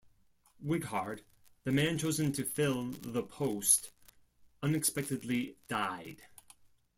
Wighard, the man chosen to fill the post, unexpectedly died.